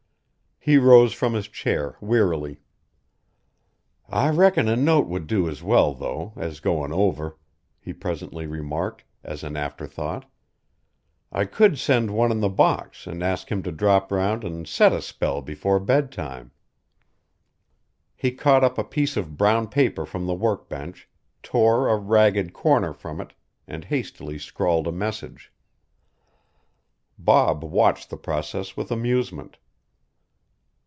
He rose from his chair wearily. "I reckon a note would do as well, though, as goin' over," he presently remarked as an afterthought. "I could send one in the box an' ask him to drop round an' set a spell before bedtime." He caught up a piece of brown paper from the workbench, tore a ragged corner from it, and hastily scrawled a message. Bob watched the process with amusement.